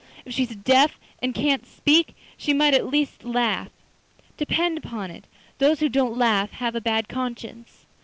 If she is deaf and can't speak, she might at least laugh; depend upon it, those who don't laugh have a bad conscience.